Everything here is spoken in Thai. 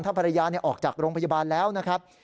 ภรรยาออกจากโรงพยาบาลแล้วนะครับ